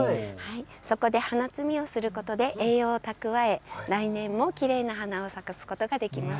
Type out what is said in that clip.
そこで花摘みをすることで、栄養を蓄え、来年もきれいな花を咲かすことができます。